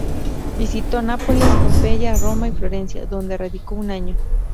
Visitó Nápoles, Pompeya, Roma y Florencia, donde radicó un año.